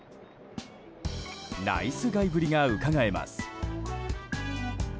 ナイスガイぶりがうかがえます。